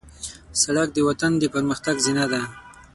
سړک د وطن د پرمختګ زینه ده.